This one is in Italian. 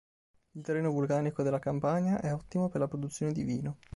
Il terreno vulcanico della Campania è ottimo per la produzione di vino.